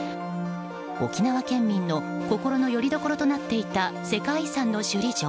沖縄県民の心のよりどころとなっていた世界遺産の首里城。